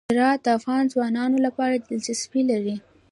هرات د افغان ځوانانو لپاره دلچسپي لري.